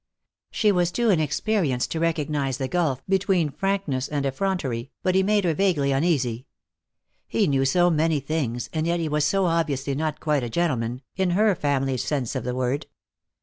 She was too inexperienced to recognize the gulf between frankness and effrontery, but he made her vaguely uneasy. He knew so many things, and yet he was so obviously not quite a gentleman, in her family's sense of the word.